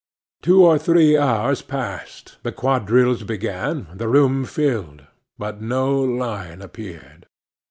Two or three hours passed, the quadrilles began, the room filled; but no lion appeared.